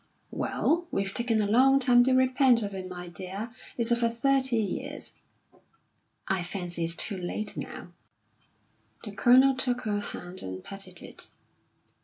"Well, we've taken a long time to repent of it, my dear. It's over thirty years." "I fancy it's too late now." The Colonel took her hand and patted it.